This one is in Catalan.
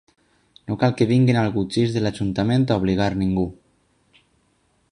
No cal que vinguin algutzirs de l’ajuntament a obligar ningú.